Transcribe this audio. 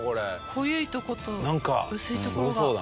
濃ゆいところと薄いところが。